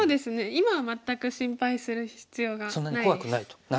今は全く心配する必要がないです。